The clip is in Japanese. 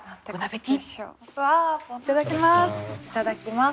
わあいただきます。